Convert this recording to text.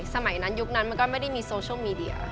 สมัยนั้นยุคนั้นมันก็ไม่ได้มีโซเชียลมีเดีย